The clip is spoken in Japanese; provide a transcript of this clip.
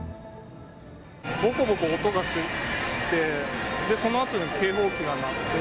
ぼこぼこ音がして、そのあとに警報器が鳴って。